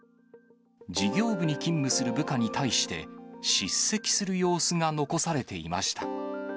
事業部に勤務する部下に対して、叱責する様子が残されていました。